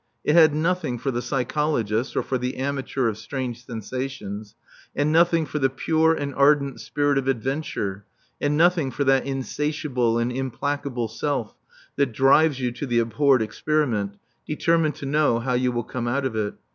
It had nothing for the psychologist or for the amateur of strange sensations, and nothing for the pure and ardent Spirit of Adventure, and nothing for that insatiable and implacable Self, that drives you to the abhorred experiment, determined to know how you will come out of it.